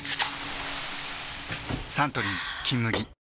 サントリー「金麦」